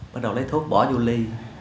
bắt đầu lấy thuốc bỏ vô ly